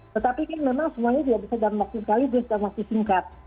tetapi memang semuanya sudah bisa dalam waktu sekali sudah dalam waktu singkat